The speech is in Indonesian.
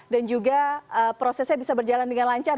dan juga prosesnya bisa berjalan dengan lancar